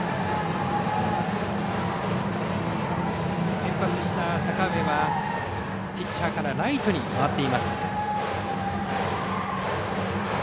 先発した阪上はピッチャーからライトに回っています。